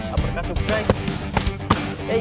apakah tunggu try